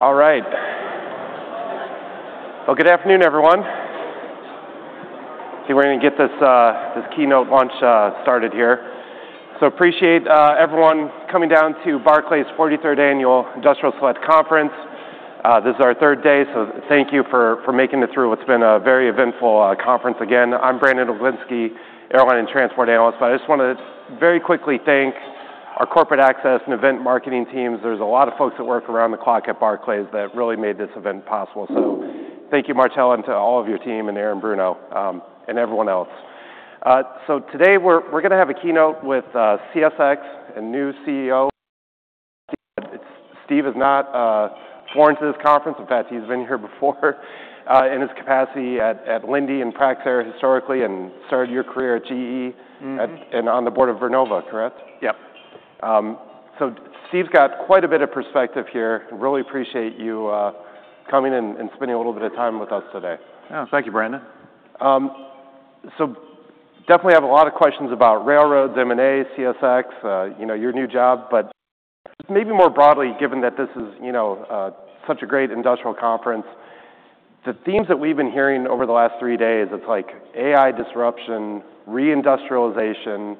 All right. Well, good afternoon, everyone. Okay, we're gonna get this, this keynote launch, started here. So appreciate everyone coming down to Barclays 43rd Annual Industrial Select Conference. This is our third day, so thank you for making it through what's been a very eventful conference. Again, I'm Brandon Oglenski, Industrials and Transportation Analyst. I just wanted to very quickly thank our corporate access and event marketing teams. There's a lot of folks that work around the clock at Barclays that really made this event possible. So thank you, Martel, and to all of your team, and Aaron, Bruno, and everyone else. So today, we're gonna have a keynote with CSX and new CEO, Steve. Steve is not foreign to this conference. In fact, he's been here before in his capacity at Linde and Praxair historically, and started your career at GE- Mm-hmm. and on the board of Vernova, correct? Yep. Steve's got quite a bit of perspective here. Really appreciate you coming in and spending a little bit of time with us today. Yeah. Thank you, Brandon. So definitely have a lot of questions about railroads, M&A, CSX, you know, your new job. But just maybe more broadly, given that this is, you know, such a great industrial conference, the themes that we've been hearing over the last three days, it's like AI disruption, re-industrialization,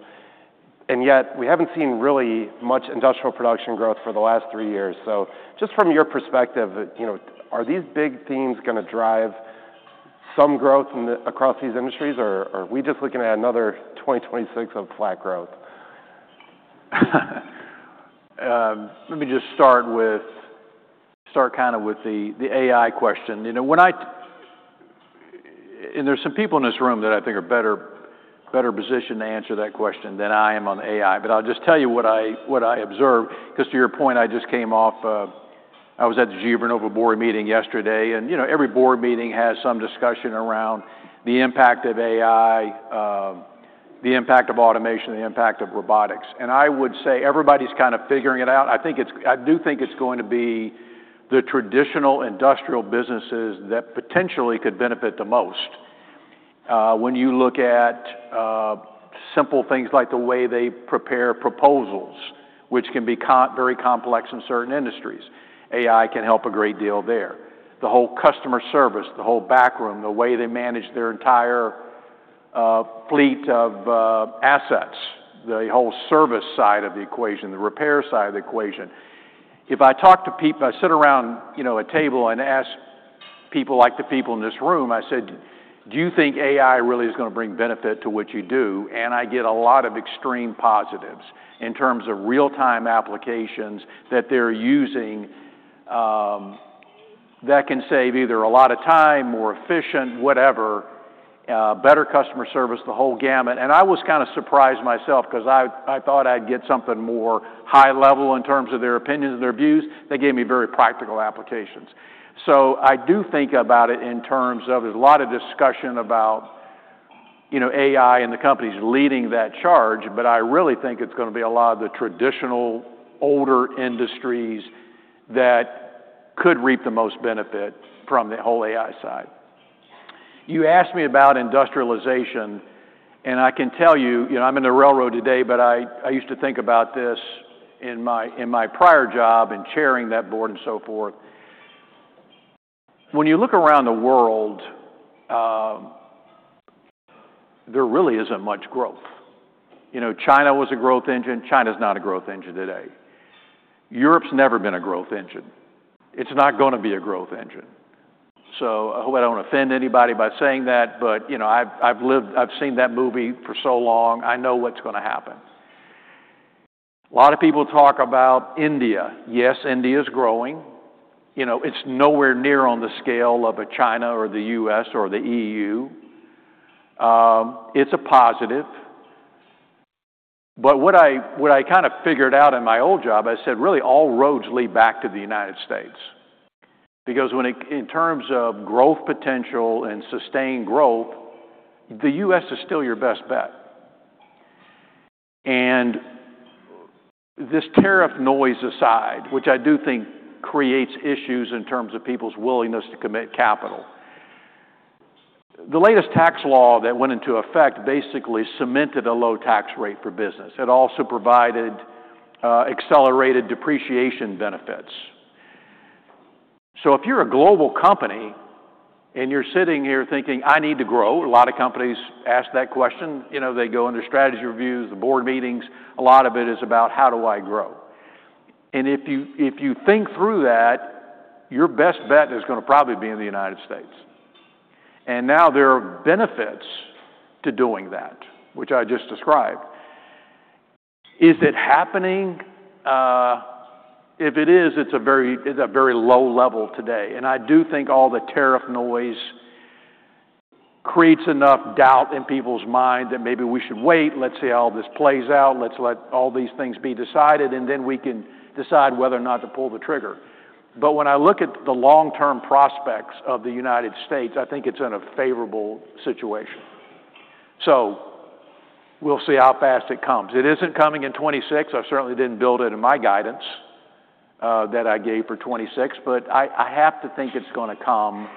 and yet we haven't seen really much industrial production growth for the last three years. So just from your perspective, you know, are these big themes gonna drive some growth across these industries, or are we just looking at another 2026 of flat growth? Let me just start with, start kind of with the AI question. You know, when I... And there's some people in this room that I think are better positioned to answer that question than I am on AI. But I'll just tell you what I observe, 'cause to your point, I just came off of—I was at the GE Vernova board meeting yesterday, and, you know, every board meeting has some discussion around the impact of AI, the impact of automation, the impact of robotics, and I would say everybody's kind of figuring it out. I think it's—I do think it's going to be the traditional industrial businesses that potentially could benefit the most. When you look at simple things like the way they prepare proposals, which can be very complex in certain industries, AI can help a great deal there. The whole customer service, the whole back room, the way they manage their entire fleet of assets, the whole service side of the equation, the repair side of the equation. If I talk to people, I sit around, you know, a table and ask people, like the people in this room, I said, "Do you think AI really is gonna bring benefit to what you do?" And I get a lot of extreme positives in terms of real-time applications that they're using that can save either a lot of time, more efficient, whatever, better customer service, the whole gamut. I was kind of surprised myself 'cause I, I thought I'd get something more high level in terms of their opinions and their views. They gave me very practical applications. I do think about it in terms of there's a lot of discussion about, you know, AI and the companies leading that charge, but I really think it's gonna be a lot of the traditional, older industries that could reap the most benefit from the whole AI side. You asked me about industrialization, and I can tell you, you know, I'm in the railroad today, but I, I used to think about this in my, in my prior job, in chairing that board and so forth. When you look around the world, there really isn't much growth. You know, China was a growth engine. China's not a growth engine today. Europe's never been a growth engine. It's not gonna be a growth engine. So I hope I don't offend anybody by saying that, but, you know, I've seen that movie for so long, I know what's gonna happen. A lot of people talk about India. Yes, India's growing. You know, it's nowhere near on the scale of a China or the U.S. or the EU. It's a positive, but what I, what I kind of figured out in my old job, I said, "Really, all roads lead back to the United States." Because when it-- in terms of growth potential and sustained growth, the US is still your best bet. And this tariff noise aside, which I do think creates issues in terms of people's willingness to commit capital, the latest tax law that went into effect basically cemented a low tax rate for business. It also provided accelerated depreciation benefits. So if you're a global company and you're sitting here thinking, "I need to grow," a lot of companies ask that question, you know, they go under strategy reviews, the board meetings, a lot of it is about, how do I grow? And if you think through that, your best bet is gonna probably be in the United States. And now there are benefits to doing that, which I just described. Is it happening? If it is, it's a very low level today, and I do think all the tariff noise creates enough doubt in people's minds that maybe we should wait. Let's see how all this plays out. Let's let all these things be decided, and then we can decide whether or not to pull the trigger. But when I look at the long-term prospects of the United States, I think it's in a favorable situation. So we'll see how fast it comes. It isn't coming in 2026. I certainly didn't build it in my guidance that I gave for 2026, but I have to think it's gonna come.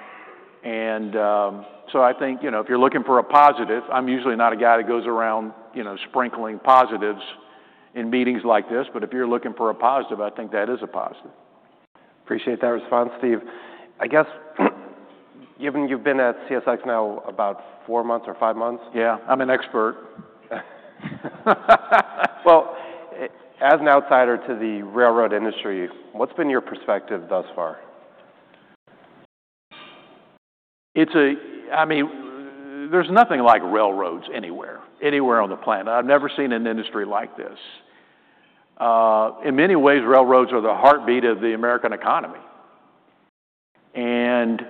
And so I think, you know, if you're looking for a positive, I'm usually not a guy that goes around, you know, sprinkling positives in meetings like this, but if you're looking for a positive, I think that is a positive. Appreciate that response, Steve. I guess given you've been at CSX now about four months or five months- Yeah, I'm an expert. Well, as an outsider to the railroad industry, what's been your perspective thus far? It's, I mean, there's nothing like railroads anywhere, anywhere on the planet. I've never seen an industry like this. In many ways, railroads are the heartbeat of the American economy. And,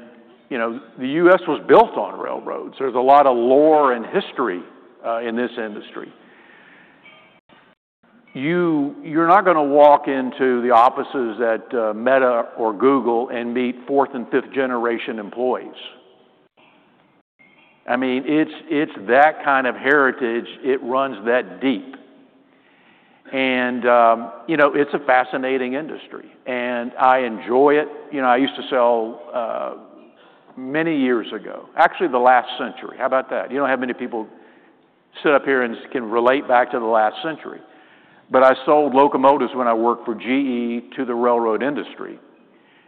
you know, the U.S. was built on railroads, so there's a lot of lore and history in this industry. You're not gonna walk into the offices at Meta or Google and meet fourth- and fifth-generation employees. I mean, it's that kind of heritage, it runs that deep. And, you know, it's a fascinating industry, and I enjoy it. You know, I used to sell many years ago... Actually, the last century. How about that? You don't have many people sit up here and can relate back to the last century. But I sold locomotives when I worked for GE to the railroad industry,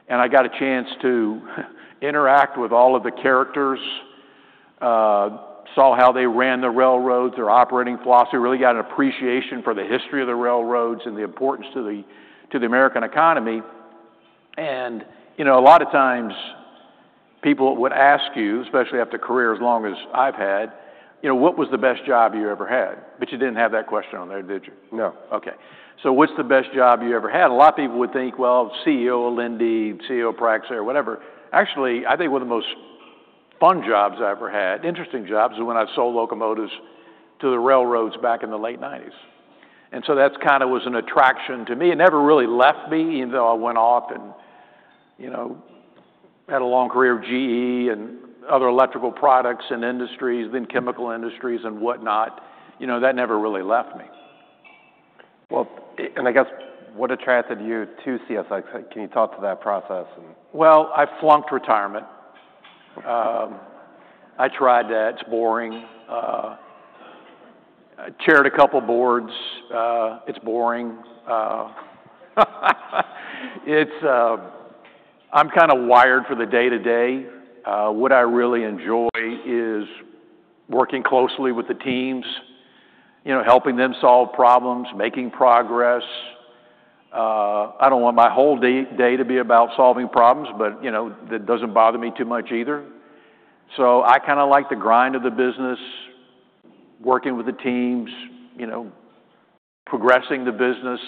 and I got a chance to interact with all of the characters, saw how they ran the railroads, their operating philosophy, really got an appreciation for the history of the railroads and the importance to the American economy. And, you know, a lot of times, people would ask you, especially after a career as long as I've had, you know, "What was the best job you ever had?" But you didn't have that question on there, did you? No. Okay. "So what's the best job you ever had?" A lot of people would think, well, CEO of Linde, CEO of Praxair, whatever. Actually, I think one of the most fun jobs I ever had, interesting jobs, is when I sold locomotives to the railroads back in the late nineties. And so that's kinda was an attraction to me. It never really left me, even though I went off and, you know, had a long career of GE and other electrical products and industries, then chemical industries and whatnot. You know, that never really left me. Well, and I guess, what attracted you to CSX? Can you talk to that process and- Well, I flunked retirement. I tried that. It's boring. I chaired a couple boards. It's boring. I'm kinda wired for the day-to-day. What I really enjoy is working closely with the teams, you know, helping them solve problems, making progress. I don't want my whole day to be about solving problems, but, you know, that doesn't bother me too much either. So I kinda like the grind of the business, working with the teams, you know, progressing the business,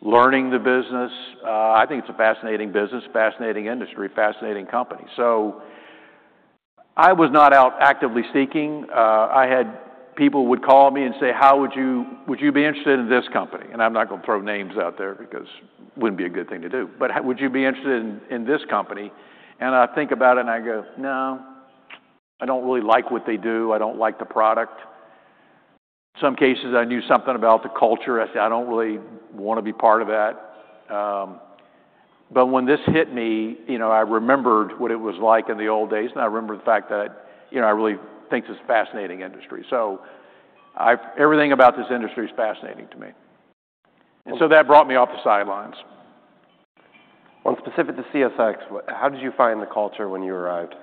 learning the business. I think it's a fascinating business, fascinating industry, fascinating company. So I was not out actively seeking. I had—people would call me and say, "How would you—would you be interested in this company?" And I'm not gonna throw names out there because wouldn't be a good thing to do. But would you be interested in this company?" And I'd think about it, and I'd go, "No, I don't really like what they do. I don't like the product." Some cases, I knew something about the culture. I said, "I don't really wanna be part of that." But when this hit me, you know, I remembered what it was like in the old days, and I remembered the fact that, you know, I really think this is a fascinating industry. So everything about this industry is fascinating to me, and so that brought me off the sidelines. Well, specific to CSX, how did you find the culture when you arrived?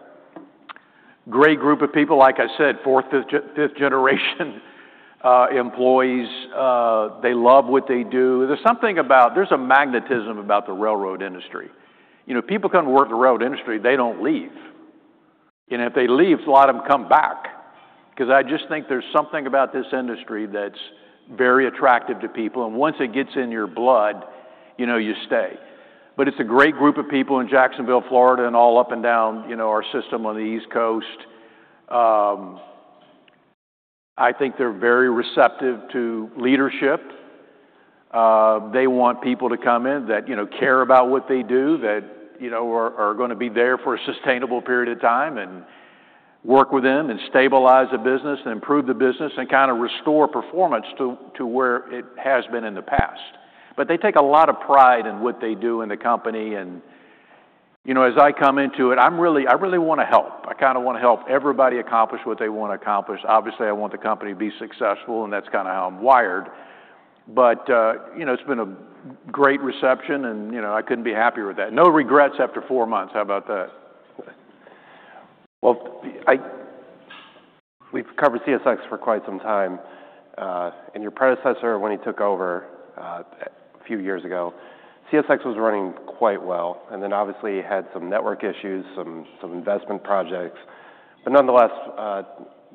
Great group of people. Like I said, fourth, fifth generation employees. They love what they do. There's a magnetism about the railroad industry. You know, people come to work in the railroad industry, they don't leave. And if they leave, a lot of them come back. 'Cause I just think there's something about this industry that's very attractive to people, and once it gets in your blood, you know, you stay. But it's a great group of people in Jacksonville, Florida, and all up and down, you know, our system on the East Coast. I think they're very receptive to leadership. They want people to come in that, you know, care about what they do, that, you know, are gonna be there for a sustainable period of time and work with them and stabilize the business and improve the business and kinda restore performance to where it has been in the past. But they take a lot of pride in what they do in the company. And, you know, as I come into it, I really wanna help. I kinda wanna help everybody accomplish what they wanna accomplish. Obviously, I want the company to be successful, and that's kinda how I'm wired. But, you know, it's been a great reception, and, you know, I couldn't be happier with that. No regrets after four months. How about that? Well, we've covered CSX for quite some time. And your predecessor, when he took over, a few years ago, CSX was running quite well, and then obviously, he had some network issues, some investment projects. But nonetheless,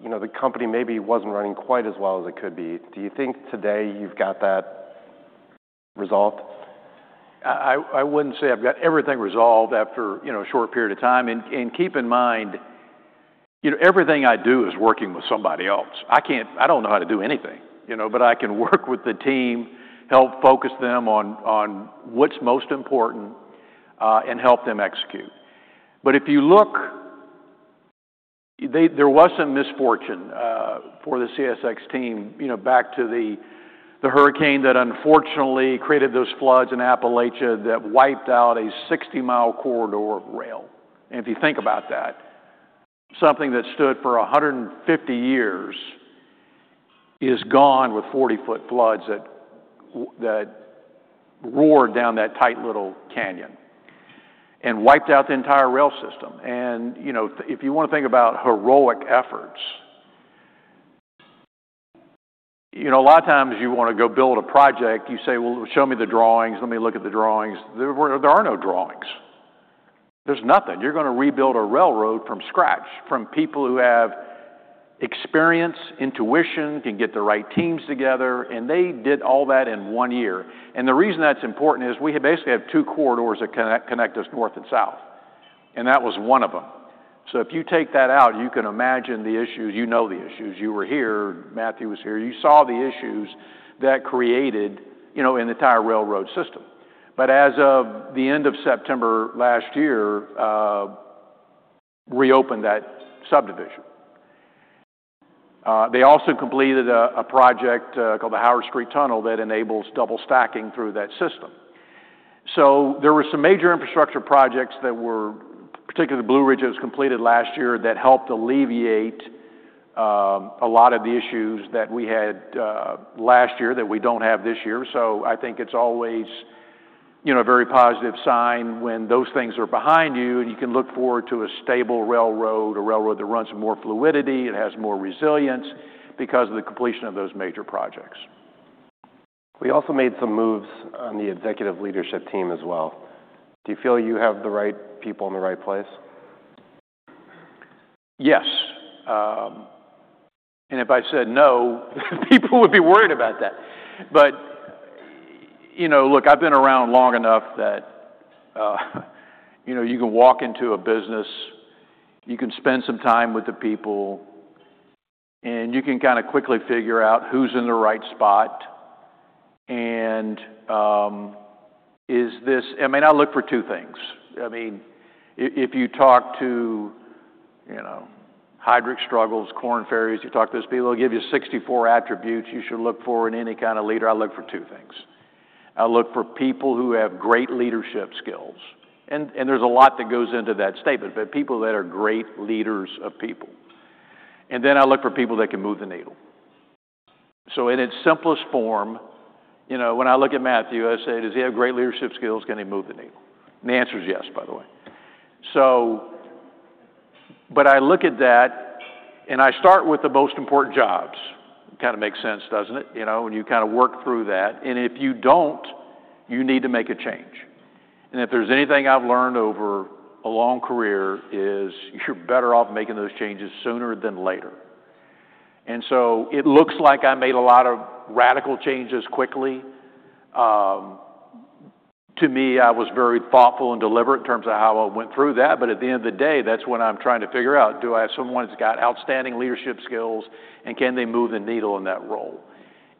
you know, the company maybe wasn't running quite as well as it could be. Do you think today you've got that resolved? I wouldn't say I've got everything resolved after, you know, a short period of time. And keep in mind, you know, everything I do is working with somebody else. I can't. I don't know how to do anything, you know? But I can work with the team, help focus them on, on what's most important, and help them execute. But if you look, there was some misfortune for the CSX team, you know, back to the, the hurricane that unfortunately created those floods in Appalachia that wiped out a 60-mile corridor of rail. And if you think about that, something that stood for 150 years is gone with 40-foot floods that roared down that tight little canyon and wiped out the entire rail system. You know, if you want to think about heroic efforts, you know, a lot of times you want to go build a project, you say: "Well, show me the drawings. Let me look at the drawings." There are no drawings. There's nothing. You're gonna rebuild a railroad from scratch, from people who have experience, intuition, can get the right teams together, and they did all that in one year. And the reason that's important is we basically have two corridors that connect us north and south, and that was one of them. So if you take that out, you can imagine the issues. You know the issues. You were here, Matthew was here. You saw the issues that created, you know, an entire railroad system. But as of the end of September last year, reopened that subdivision. They also completed a project called the Howard Street Tunnel that enables double stacking through that system. So there were some major infrastructure projects that were particularly the Blue Ridge that was completed last year that helped alleviate a lot of the issues that we had last year that we don't have this year. So I think it's always, you know, a very positive sign when those things are behind you, and you can look forward to a stable railroad, a railroad that runs with more fluidity, and has more resilience because of the completion of those major projects. We also made some moves on the executive leadership team as well. Do you feel you have the right people in the right place? Yes. And if I said no, people would be worried about that. But, you know, look, I've been around long enough that, you know, you can walk into a business, you can spend some time with the people, and you can kind of quickly figure out who's in the right spot. And, is this... I mean, I look for two things. I mean, if you talk to, you know, Heidrick & Struggles, Korn Ferry, you talk to those people, they'll give you 64 attributes you should look for in any kind of leader. I look for two things. I look for people who have great leadership skills, and, and there's a lot that goes into that statement, but people that are great leaders of people, and then I look for people that can move the needle. So in its simplest form, you know, when I look at Matthew, I say: Does he have great leadership skills? Can he move the needle? And the answer is yes, by the way. So, but I look at that, and I start with the most important jobs. Kind of makes sense, doesn't it? You know, and you kind of work through that, and if you don't, you need to make a change. And if there's anything I've learned over a long career, is you're better off making those changes sooner than later. And so it looks like I made a lot of radical changes quickly. To me, I was very thoughtful and deliberate in terms of how I went through that. But at the end of the day, that's when I'm trying to figure out, do I have someone that's got outstanding leadership skills, and can they move the needle in that role?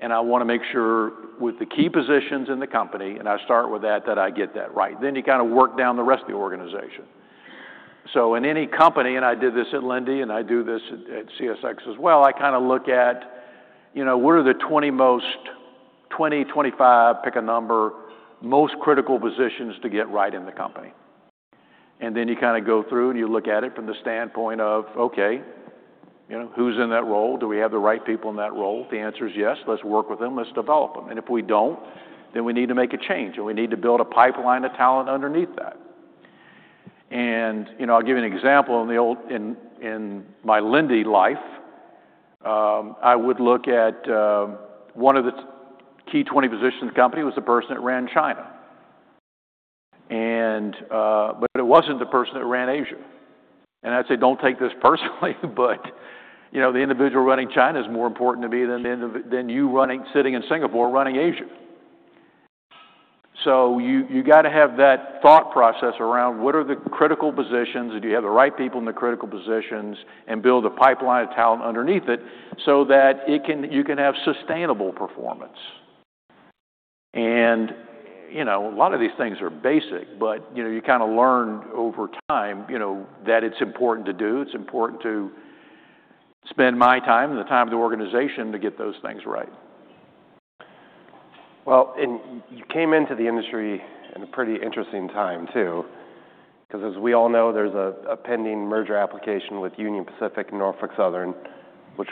And I want to make sure with the key positions in the company, and I start with that, that I get that right. Then you kind of work down the rest of the organization. So in any company, and I did this at Linde, and I do this at, at CSX as well, I kind of look at, you know, what are the 20 most, 20, 25, pick a number, most critical positions to get right in the company. And then you kind of go through, and you look at it from the standpoint of, okay, you know, who's in that role? Do we have the right people in that role? If the answer is yes, let's work with them, let's develop them. And if we don't, then we need to make a change, and we need to build a pipeline of talent underneath that. And, you know, I'll give you an example. In my Linde life, I would look at one of the key 20 positions in the company was the person that ran China, and, but it wasn't the person that ran Asia. I'd say, "Don't take this personally, but, you know, the individual running China is more important to me than you running, sitting in Singapore, running Asia." So you got to have that thought process around what are the critical positions, and do you have the right people in the critical positions, and build a pipeline of talent underneath it so that you can have sustainable performance. And, you know, a lot of these things are basic, but, you know, you kind of learn over time, you know, that it's important to do. It's important to spend my time and the time of the organization to get those things right. Well, and you came into the industry in a pretty interesting time, too, because as we all know, there's a pending merger application with Union Pacific and Norfolk Southern, which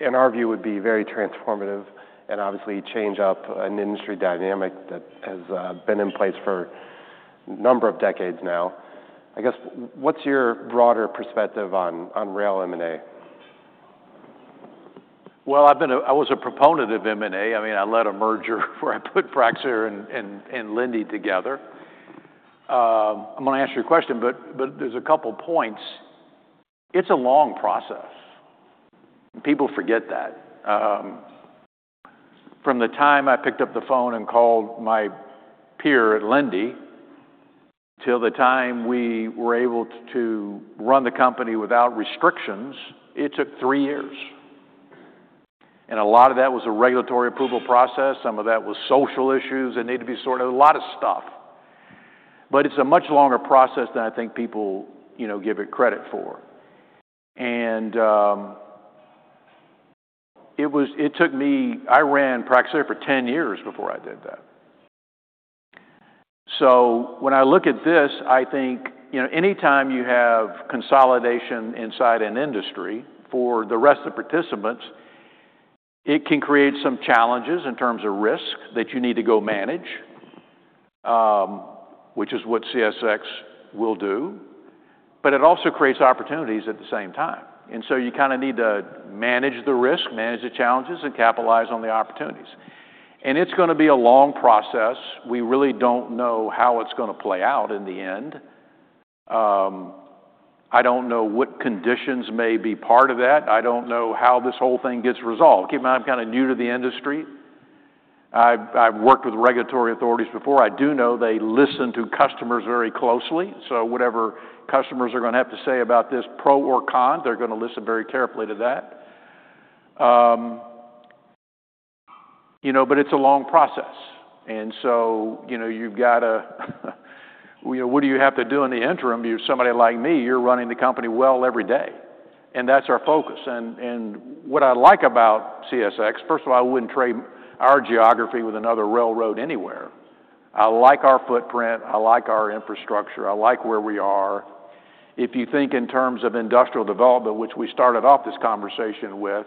in our view would be very transformative and obviously change up an industry dynamic that has been in place for a number of decades now. I guess, what's your broader perspective on rail M&A? Well, I was a proponent of M&A. I mean, I led a merger where I put Praxair and Linde together. I'm gonna answer your question, but there's a couple points. It's a long process. People forget that. From the time I picked up the phone and called my peer at Linde, till the time we were able to run the company without restrictions, it took three years and a lot of that was a regulatory approval process. Some of that was social issues that needed to be sorted, a lot of stuff. But it's a much longer process than I think people, you know, give it credit for. And I ran Praxair for 10 years before I did that. So when I look at this, I think, you know, anytime you have consolidation inside an industry, for the rest of the participants, it can create some challenges in terms of risk that you need to go manage, which is what CSX will do, but it also creates opportunities at the same time. And so you kind of need to manage the risk, manage the challenges, and capitalize on the opportunities. And it's gonna be a long process. We really don't know how it's gonna play out in the end. I don't know what conditions may be part of that. I don't know how this whole thing gets resolved. Keep in mind, I'm kind of new to the industry. I've worked with regulatory authorities before. I do know they listen to customers very closely, so whatever customers are gonna have to say about this, pro or con, they're gonna listen very carefully to that. You know, but it's a long process, and so, you know, you've got to... Well, what do you have to do in the interim? If you're somebody like me, you're running the company well every day, and that's our focus. And what I like about CSX, first of all, I wouldn't trade our geography with another railroad anywhere. I like our footprint, I like our infrastructure, I like where we are. If you think in terms of industrial development, which we started off this conversation with,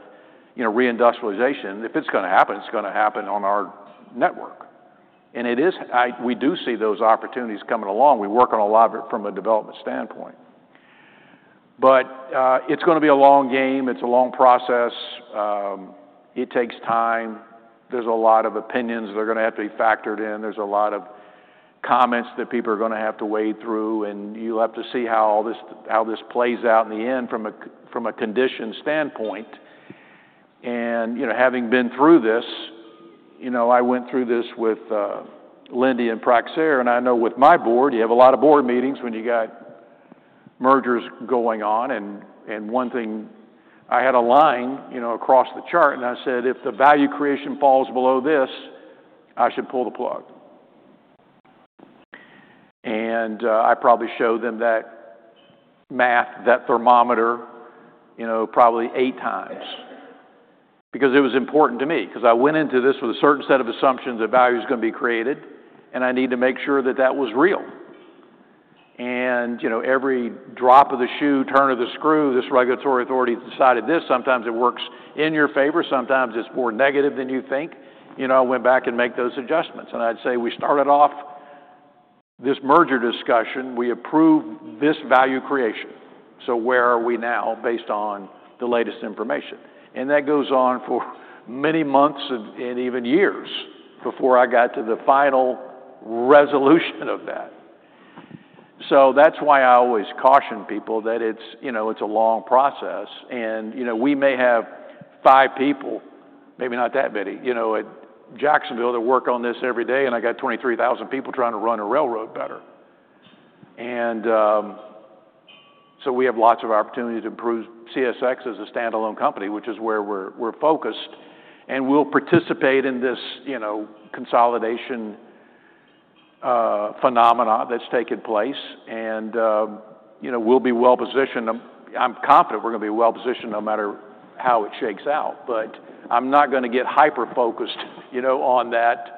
you know, reindustrialization, if it's gonna happen, it's gonna happen on our network. And it is—I—we do see those opportunities coming along. We work on a lot of it from a development standpoint. But, it's gonna be a long game. It's a long process. It takes time. There's a lot of opinions that are gonna have to be factored in. There's a lot of comments that people are gonna have to wade through, and you'll have to see how this plays out in the end from a condition standpoint. And, you know, having been through this, you know, I went through this with Linde and Praxair, and I know with my board, you have a lot of board meetings when you got mergers going on. And, one thing... I had a line, you know, across the chart, and I said, "If the value creation falls below this, I should pull the plug." And, I probably showed them that math, that thermometer, you know, probably eight times, because it was important to me. 'Cause I went into this with a certain set of assumptions that value is gonna be created, and I need to make sure that that was real. And, you know, every drop of the shoe, turn of the screw, this regulatory authority decided this. Sometimes it works in your favor, sometimes it's more negative than you think. You know, I went back and make those adjustments, and I'd say, "We started off this merger discussion, we approved this value creation. So where are we now, based on the latest information?" And that goes on for many months and even years before I got to the final resolution of that. So that's why I always caution people that it's, you know, it's a long process. And, you know, we may have five people, maybe not that many, you know, at Jacksonville, that work on this every day, and I got 23,000 people trying to run a railroad better. And so we have lots of opportunity to improve CSX as a standalone company, which is where we're focused, and we'll participate in this, you know, consolidation phenomena that's taken place. And, you know, we'll be well-positioned. I'm confident we're gonna be well-positioned no matter how it shakes out, but I'm not gonna get hyper-focused, you know, on that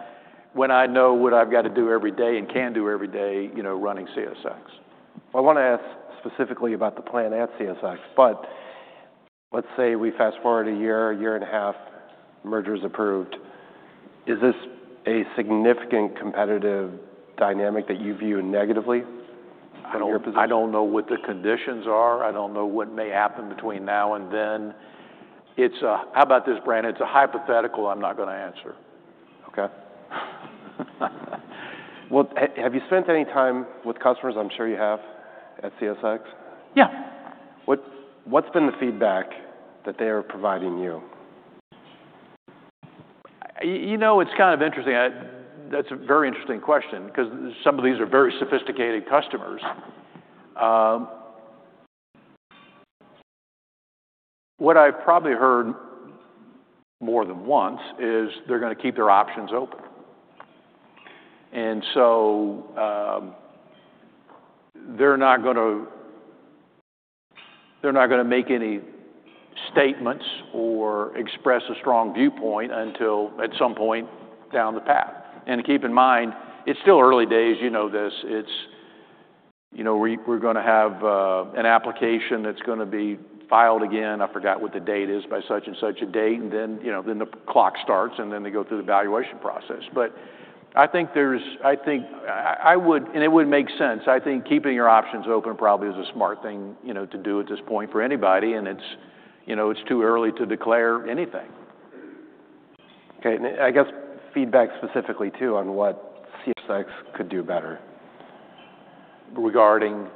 when I know what I've got to do every day and can do every day, you know, running CSX. I want to ask specifically about the plan at CSX, but let's say we fast-forward a year, a year and a half, merger's approved. Is this a significant competitive dynamic that you view negatively from your position? I don't, I don't know what the conditions are. I don't know what may happen between now and then. It's a... How about this, Brandon? It's a hypothetical I'm not gonna answer. Okay. Well, have you spent any time with customers? I'm sure you have, at CSX. Yeah. What's been the feedback that they are providing you? You know, it's kind of interesting. That's a very interesting question because some of these are very sophisticated customers. What I probably heard more than once is they're gonna keep their options open. And so, they're not gonna, they're not gonna make any statements or express a strong viewpoint until at some point down the path. Keep in mind, it's still early days, you know this. It's, you know, we're gonna have an application that's gonna be filed again. I forgot what the date is, by such and such a date, and then, you know, then the clock starts, and then they go through the evaluation process. But I think there's, I think I would. And it would make sense. I think keeping your options open probably is a smart thing, you know, to do at this point for anybody, and it's, you know, it's too early to declare anything. Okay, and I guess feedback specifically, too, on what CSX could do better. Regarding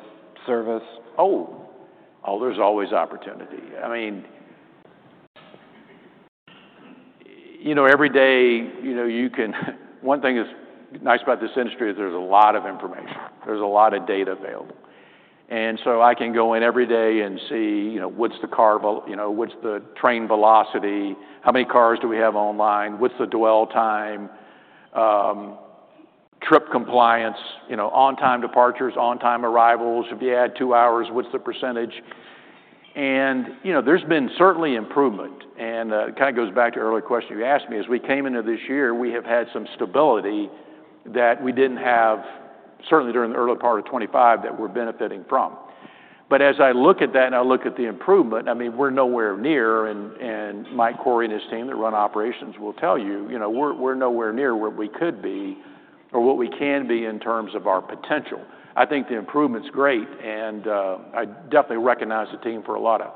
service? Oh! Oh, there's always opportunity. I mean... You know, every day, you know, you can, one thing that's nice about this industry is there's a lot of information, there's a lot of data available. And so I can go in every day and see, you know, what's the train velocity? How many cars do we have online? What's the dwell time? Trip compliance, you know, on-time departures, on-time arrivals. If you add two hours, what's the percentage? And, you know, there's been certainly improvement, and, it kind of goes back to an earlier question you asked me. As we came into this year, we have had some stability that we didn't have, certainly during the early part of 2025, that we're benefiting from. But as I look at that and I look at the improvement, I mean, we're nowhere near, and Mike Cory and his team that run operations will tell you, you know, we're, we're nowhere near where we could be or what we can be in terms of our potential. I think the improvement's great, and I definitely recognize the team for a lot of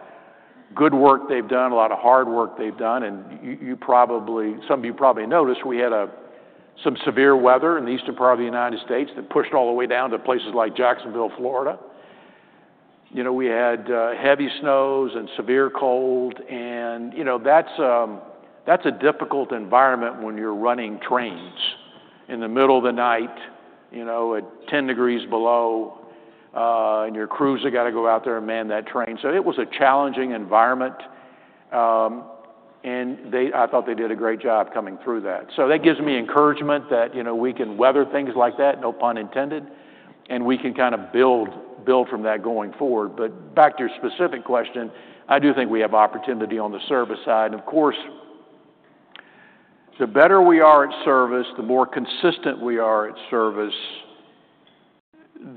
good work they've done, a lot of hard work they've done, and you, you probably, some of you probably noticed we had some severe weather in the eastern part of the United States that pushed all the way down to places like Jacksonville, Florida. You know, we had heavy snows and severe cold and, you know, that's a difficult environment when you're running trains in the middle of the night, you know, at 10 degrees below, and your crews have got to go out there and man that train. So it was a challenging environment, and I thought they did a great job coming through that. So that gives me encouragement that, you know, we can weather things like that, no pun intended, and we can kind of build, build from that going forward. But back to your specific question, I do think we have opportunity on the service side. Of course, the better we are at service, the more consistent we are at service,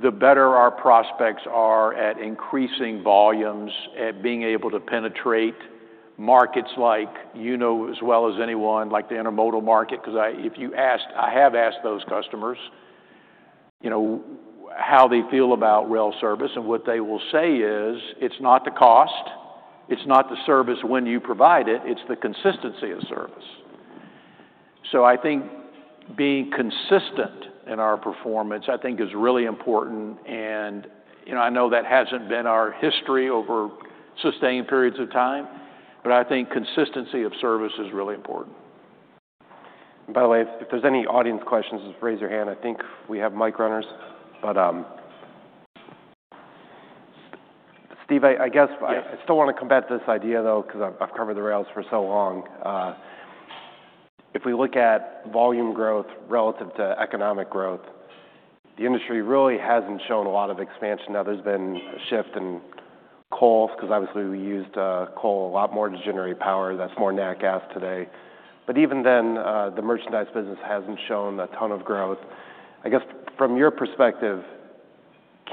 the better our prospects are at increasing volumes, at being able to penetrate markets like you know as well as anyone, like the intermodal market. 'Cause I have asked those customers, you know, how they feel about rail service, and what they will say is, "It's not the cost, it's not the service when you provide it, it's the consistency of service." So I think being consistent in our performance, I think is really important, and, you know, I know that hasn't been our history over sustained periods of time, but I think consistency of service is really important. By the way, if there's any audience questions, just raise your hand. I think we have mic runners, but... Steve, I guess- Yes. I still want to come back to this idea, though, because I've covered the rails for so long. If we look at volume growth relative to economic growth, the industry really hasn't shown a lot of expansion. Now, there's been a shift in coal, because obviously we used coal a lot more to generate power, that's more nat gas today. But even then, the merchandise business hasn't shown a ton of growth. I guess from your perspective,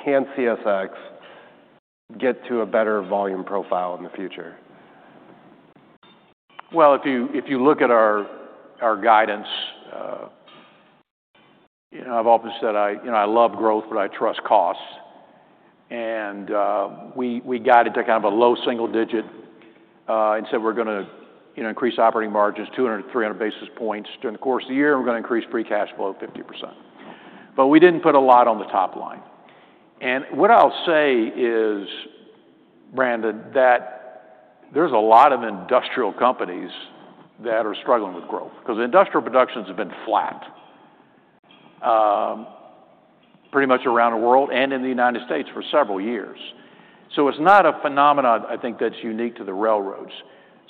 can CSX get to a better volume profile in the future? Well, if you, if you look at our, our guidance, you know, I've often said I, you know, I love growth, but I trust costs. And, we, we guided to kind of a low single digit, and said we're gonna, you know, increase operating margins 200-300 basis points during the course of the year, and we're gonna increase free cash flow 50%. But we didn't put a lot on the top line. And what I'll say is, Brandon, that there's a lot of industrial companies that are struggling with growth, because industrial productions have been flat, pretty much around the world and in the United States for several years. So it's not a phenomenon, I think, that's unique to the railroads.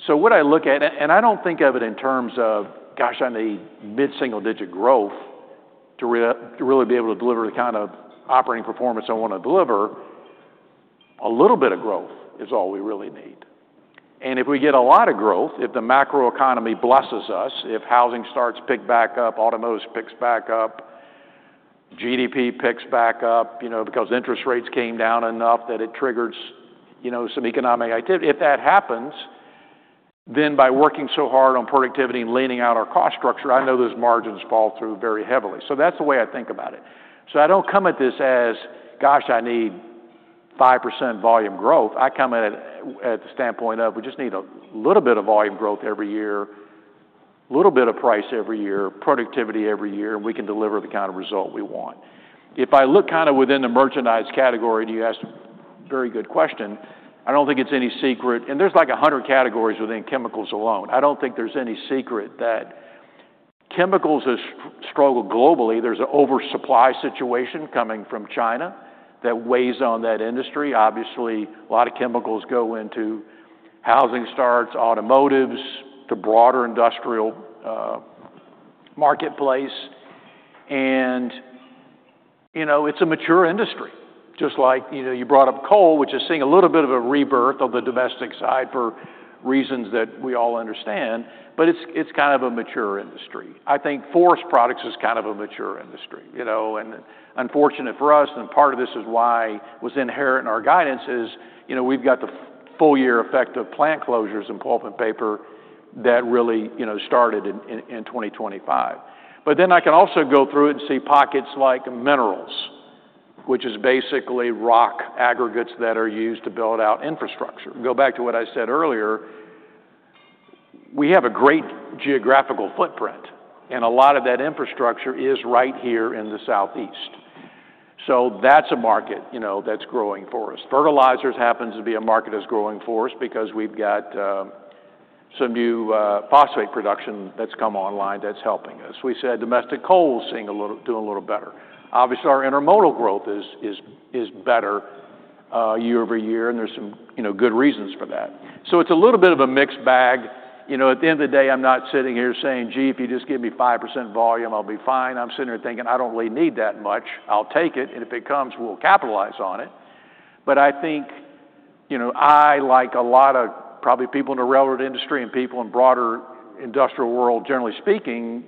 So what I look at... And I don't think of it in terms of, gosh, I need mid-single-digit growth to really be able to deliver the kind of operating performance I want to deliver. A little bit of growth is all we really need. And if we get a lot of growth, if the macroeconomy blesses us, if housing starts to pick back up, automotives picks back up, GDP picks back up, you know, because interest rates came down enough that it triggers, you know, some economic activity. If that happens, then by working so hard on productivity and leaning out our cost structure, I know those margins fall through very heavily. So that's the way I think about it. So I don't come at this as, "Gosh, I need 5% volume growth." I come at it at the standpoint of: We just need a little bit of volume growth every year, little bit of price every year, productivity every year, and we can deliver the kind of result we want. If I look kind of within the merchandise category, and you asked a very good question, I don't think it's any secret, and there's like 100 categories within chemicals alone. I don't think there's any secret that chemicals has struggled globally. There's an oversupply situation coming from China that weighs on that industry. Obviously, a lot of chemicals go into housing starts, automotives, the broader industrial marketplace, and, you know, it's a mature industry, just like, you know, you brought up coal, which is seeing a little bit of a rebirth on the domestic side for reasons that we all understand, but it's, it's kind of a mature industry. I think forest products is kind of a mature industry, you know, and unfortunate for us, and part of this is why it was inherent in our guidance is, you know, we've got the full year effect of plant closures in pulp and paper that really, you know, started in 2025. But then I can also go through it and see pockets like minerals, which is basically rock aggregates that are used to build out infrastructure. Go back to what I said earlier, we have a great geographical footprint, and a lot of that infrastructure is right here in the Southeast. So that's a market, you know, that's growing for us. Fertilizers happens to be a market that's growing for us because we've got some new phosphate production that's come online that's helping us. We said domestic coal is seeing a little, doing a little better. Obviously, our intermodal growth is better year-over-year, and there's some, you know, good reasons for that. So it's a little bit of a mixed bag. You know, at the end of the day, I'm not sitting here saying, "Gee, if you just give me 5% volume, I'll be fine." I'm sitting here thinking, I don't really need that much. I'll take it, and if it comes, we'll capitalize on it. But I think, you know, I, like a lot of probably people in the railroad industry and people in broader industrial world, generally speaking,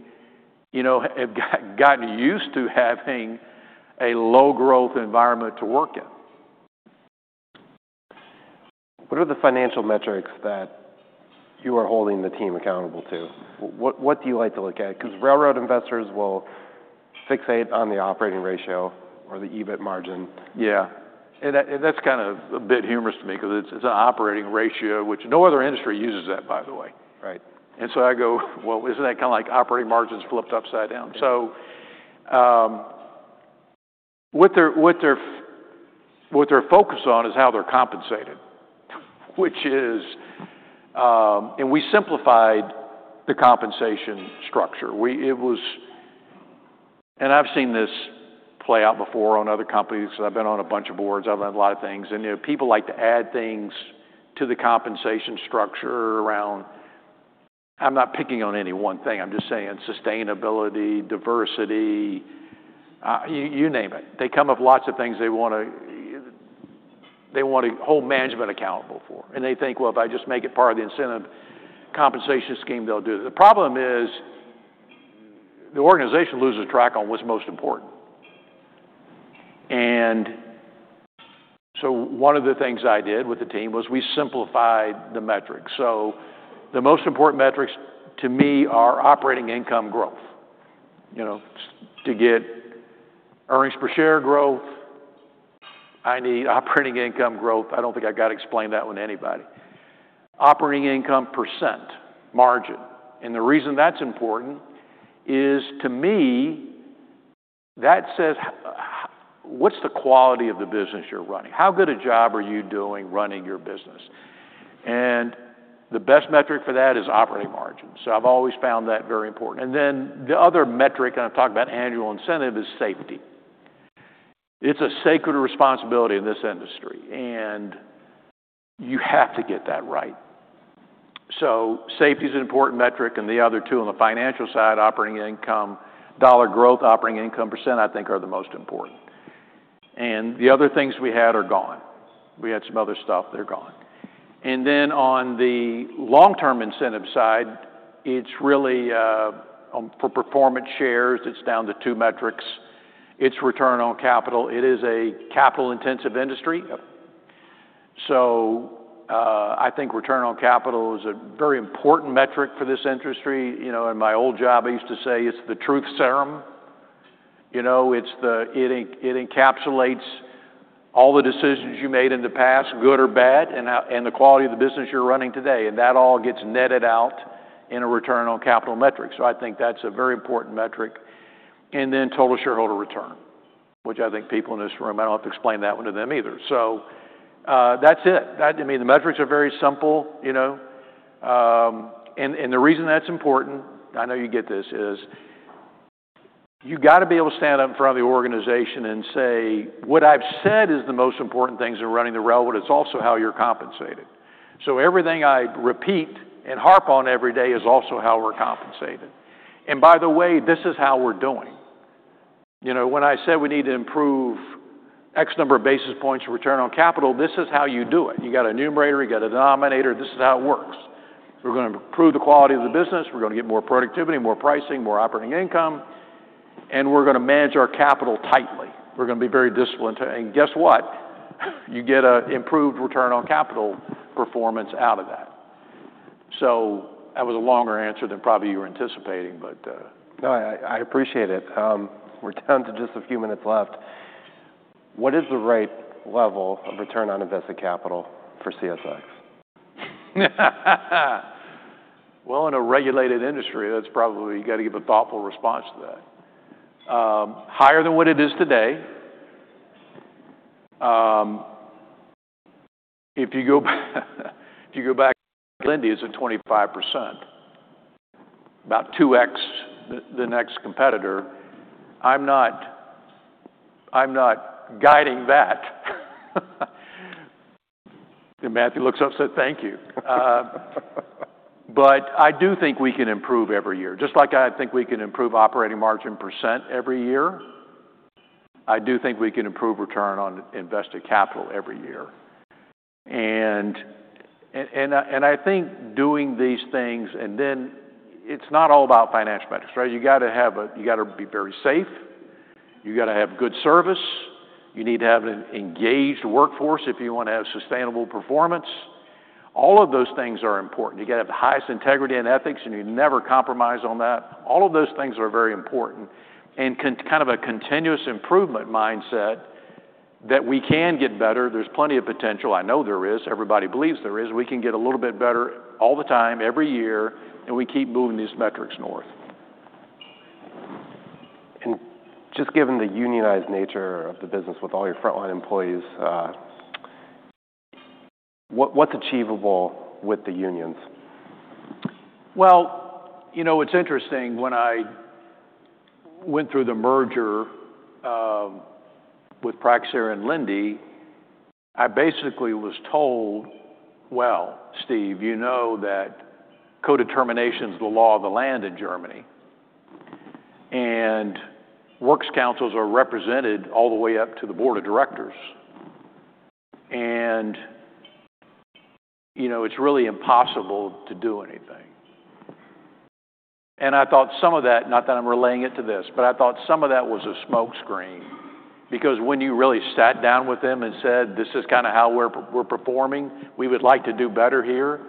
you know, have gotten used to having a low-growth environment to work in. What are the financial metrics that you are holding the team accountable to? What, what do you like to look at? 'Cause railroad investors will fixate on the operating ratio or the EBIT margin. Yeah, that's kind of a bit humorous to me 'cause it's an operating ratio, which no other industry uses that, by the way. Right. And so I go, "Well, isn't that kinda like operating margins flipped upside down?" So, what they're focused on is how they're compensated, which is... We simplified the compensation structure. And I've seen this play out before on other companies. I've been on a bunch of boards, I've done a lot of things, and, you know, people like to add things to the compensation structure around... I'm not picking on any one thing, I'm just saying sustainability, diversity, you name it. They come up with lots of things they want to hold management accountable for, and they think, "Well, if I just make it part of the incentive compensation scheme, they'll do it." The problem is, the organization loses track on what's most important. One of the things I did with the team was we simplified the metrics. The most important metrics to me are operating income growth. You know, to get earnings per share growth, I need operating income growth. I don't think I gotta explain that one to anybody. Operating income % margin, and the reason that's important is, to me, that says what's the quality of the business you're running? How good a job are you doing running your business? And the best metric for that is operating margin, so I've always found that very important. And then the other metric, and I've talked about annual incentive, is safety. It's a sacred responsibility in this industry, and you have to get that right. Safety is an important metric, and the other two on the financial side, operating income dollar growth, operating income percent, I think are the most important. The other things we had are gone. We had some other stuff, they're gone. Then on the long-term incentive side, it's really for performance shares, it's down to two metrics. It's return on capital. It is a capital-intensive industry. Yep. So, I think Return on Capital is a very important metric for this industry. You know, in my old job, I used to say it's the truth serum. You know, it's the—it encapsulates all the decisions you made in the past, good or bad, and how—and the quality of the business you're running today, and that all gets netted out in a Return on Capital metrics. So I think that's a very important metric. And then Total Shareholder Return, which I think people in this room, I don't have to explain that one to them either. So, that's it. That... I mean, the metrics are very simple, you know, the reason that's important, I know you get this, is you gotta be able to stand up in front of the organization and say, "What I've said is the most important things in running the railroad. It's also how you're compensated." So everything I repeat and harp on every day is also how we're compensated. And by the way, this is how we're doing. You know, when I say we need to improve X number of basis points of return on capital, this is how you do it. You got a numerator, you got a denominator, this is how it works. We're gonna improve the quality of the business, we're gonna get more productivity, more pricing, more operating income, and we're gonna manage our capital tightly. We're gonna be very disciplined. And guess what? You get an improved Return on Capital performance out of that. So that was a longer answer than probably you were anticipating, but, No, I appreciate it. We're down to just a few minutes left. What is the right level of return on invested capital for CSX? Well, in a regulated industry, that's probably... You gotta give a thoughtful response to that. Higher than what it is today. If you go back, if you go back, Linde is at 25%, about two x the next competitor. I'm not, I'm not guiding that. Matthew looks up and said, "Thank you. But I do think we can improve every year. Just like I think we can improve operating margin % every year, I do think we can improve return on invested capital every year. And I think doing these things, and then it's not all about financial metrics, right? You gotta be very safe, you gotta have good service, you need to have an engaged workforce if you wanna have sustainable performance. All of those things are important. You gotta have the highest integrity and ethics, and you never compromise on that. All of those things are very important, and kind of a continuous improvement mindset that we can get better. There's plenty of potential. I know there is. Everybody believes there is. We can get a little bit better all the time, every year, and we keep moving these metrics north. Just given the unionized nature of the business with all your frontline employees, what, what's achievable with the unions? Well, you know, it's interesting, when I went through the merger with Praxair and Linde, I basically was told, "Well, Steve, you know that codetermination is the law of the land in Germany, and works councils are represented all the way up to the board of directors. And, you know, it's really impossible to do anything." And I thought some of that, not that I'm relaying it to this, but I thought some of that was a smokescreen. Because when you really sat down with them and said, "This is kinda how we're, we're performing, we would like to do better here,"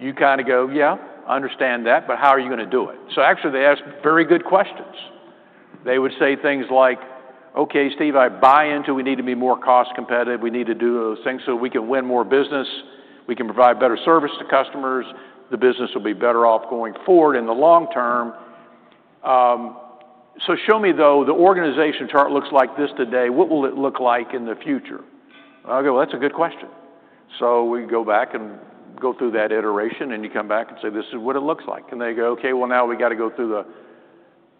you kinda go, "Yeah, I understand that, but how are you gonna do it?" So actually, they ask very good questions. They would say things like, "Okay, Steve, I buy into we need to be more cost competitive. We need to do those things so we can win more business. We can provide better service to customers. The business will be better off going forward in the long term. So show me, though, the organization chart looks like this today, what will it look like in the future? I go, "Well, that's a good question." So we go back and go through that iteration, and you come back and say, "This is what it looks like." And they go, "Okay, well, now we gotta go through the,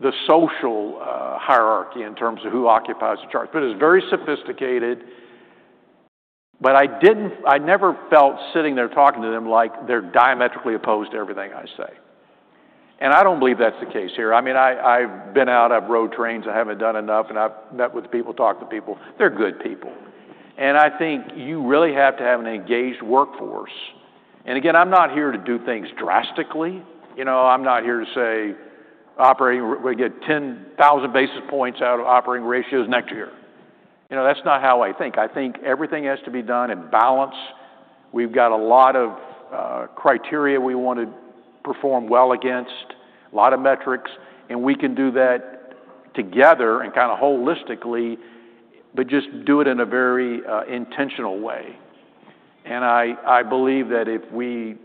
the social, hierarchy in terms of who occupies the chart." But it's very sophisticated, but I didn't, I never felt sitting there talking to them, like, they're diametrically opposed to everything I say. And I don't believe that's the case here. I mean, I, I've been out, I've rode trains, I haven't done enough, and I've met with the people, talked to people. They're good people. I think you really have to have an engaged workforce. Again, I'm not here to do things drastically. You know, I'm not here to say, "Operating, we get 10,000 basis points out of operating ratios next year." You know, that's not how I think. I think everything has to be done in balance. We've got a lot of criteria we want to perform well against, a lot of metrics, and we can do that together and kinda holistically, but just do it in a very intentional way. I believe that if we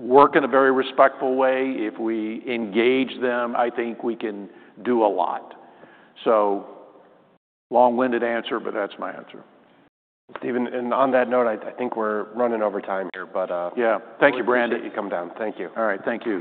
work in a very respectful way, if we engage them, I think we can do a lot. So long-winded answer, but that's my answer. Steve, and on that note, I think we're running over time here, but, Yeah. Thank you, Brandon. We appreciate you coming down. Thank you. All right, thank you.